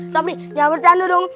sob nih jangan bercanda dong